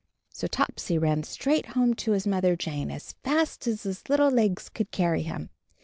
So Topsy ran straight home to his Mother Jane, as fast as his little legs could carry him.